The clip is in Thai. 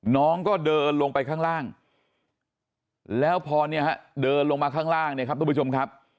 น้องก็เดินลงไปข้างล่างแล้วพอเนี่ยฮะเดินลงมาข้างล่างเนี่ยครับทุกผู้ชมครับ